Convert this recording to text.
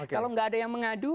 kalau nggak ada yang mengadu